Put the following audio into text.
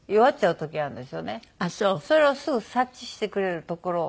それをすぐ察知してくれるところ。